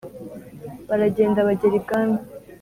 Baragenda bagera ibwami.